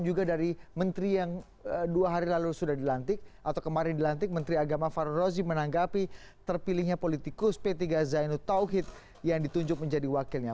juga dari menteri yang dua hari lalu sudah dilantik atau kemarin dilantik menteri agama farol rozi menanggapi terpilihnya politikus p tiga zainud tauhid yang ditunjuk menjadi wakilnya